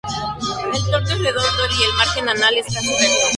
El torno es redondo y el margen anal es casi recto.